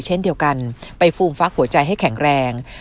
เช่นเดียวกันไปฟูมฟักหัวใจให้แข็งแรง